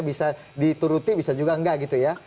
bisa dituruti bisa juga enggak gitu ya